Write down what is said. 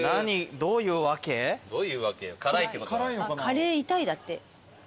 カレー痛いだって。